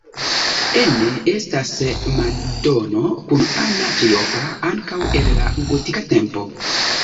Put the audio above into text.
Ene estas madono kun Anna Triopa, ankaŭ el la gotika tempo.